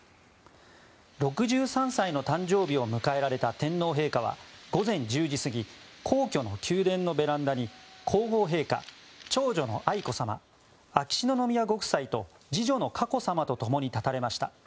６３歳の誕生日を迎えられた天皇陛下は午前１０時過ぎ皇居の宮殿のベランダに皇后陛下、長女の愛子さま秋篠宮ご夫妻と次女の佳子さまとともに立たれました。